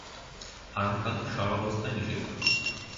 হারাম কাজ সর্বাবস্থায় নিষিদ্ধ।